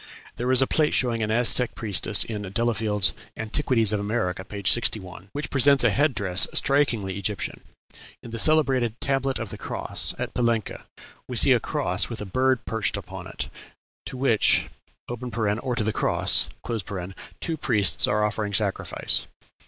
There is a plate showing an Aztec priestess in Delafield's "Antiquities of America," p. 61, which presents a head dress strikingly Egyptian. In the celebrated "tablet of the cross," at Palenque, we see a cross with a bird perched upon it, to which (or to the cross) two priests are offering sacrifice.